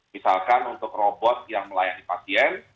misalkan untuk robot yang melayani pasien